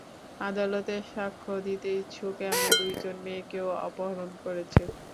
আদালতে সাক্ষ্য দিতে ইচ্ছুক এমন দুইজন মেয়েকেও অপহরণ করেছে।